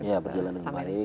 iya berjalan dengan baik